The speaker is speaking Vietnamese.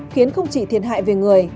khiến không chỉ thiệt hại về người